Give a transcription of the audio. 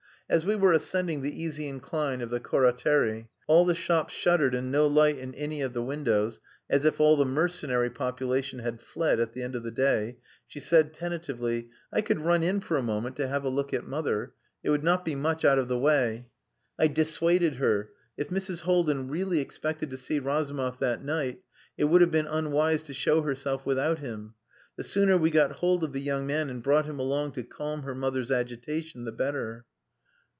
As we were ascending the easy incline of the Corraterie, all the shops shuttered and no light in any of the windows (as if all the mercenary population had fled at the end of the day), she said tentatively "I could run in for a moment to have a look at mother. It would not be much out of the way." I dissuaded her. If Mrs. Haldin really expected to see Razumov that night it would have been unwise to show herself without him. The sooner we got hold of the young man and brought him along to calm her mother's agitation the better.